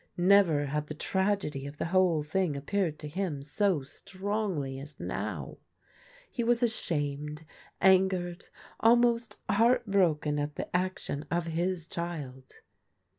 Never had the trag edy of the whole thing appeared to him so strongly as now. He was ashamed, angered, almost heart broken at the action of his child.